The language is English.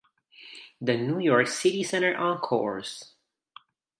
The New York City Center Encores!